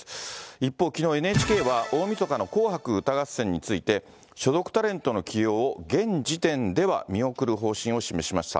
一方、きのうＮＨＫは、大みそかの紅白歌合戦について、所属タレントの起用を現時点では見送る方針を示しました。